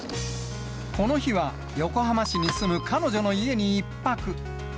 この日は、横浜市に住む彼女の家に１泊。